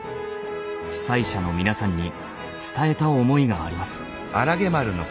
被災者の皆さんに伝えた思いがあります。